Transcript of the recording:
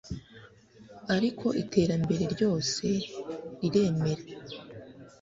ariko iterambere ryose riremera